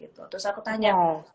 terus aku tanya